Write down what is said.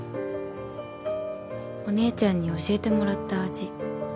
お姉ちゃんに教えてもらった味